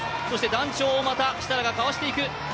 団長をまた設楽がかわしていく。